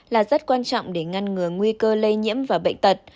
là rất quan trọng để ngăn ngừa nguy cơ lây nhiễm và bệnh tật